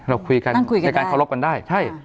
เราคุยกันในการเคารพกันได้ใช่